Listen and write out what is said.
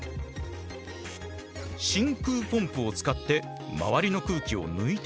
真空ポンプを使って周りの空気を抜いてみよう。